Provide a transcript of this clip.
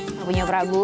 ini punya prabu